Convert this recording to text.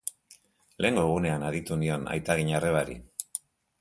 Lehengo egunean aditu nion aitaginarrebari.